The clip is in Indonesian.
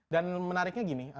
dan menariknya gini